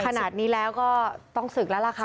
ขนาดนี้แล้วก็ต้องศึกแล้วล่ะค่ะ